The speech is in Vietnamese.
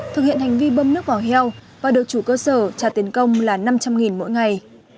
thực hiện hành vi bơm nước vào heo và được chủ cơ sở trả tiền công là năm trăm linh mỗi ngày